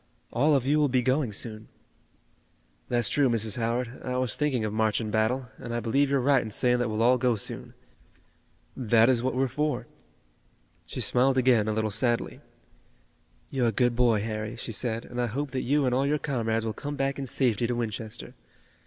All of you will be going soon." "That's true, Mrs. Howard, I was thinking of march and battle, and I believe you're right in saying that we'll all go soon. That is what we're for." She smiled again a little sadly. "You're a good boy, Harry," she said, "and I hope that you and all your comrades will come back in safety to Winchester.